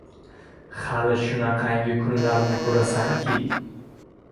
Hali shunaqangi kunlarni ko‘rasanki!